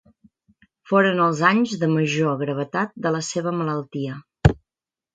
Foren els anys de major gravetat de la seva malaltia.